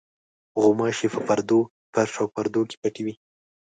غوماشې په پردو، فرش او پردو کې پټې وي.